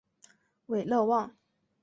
韦勒旺。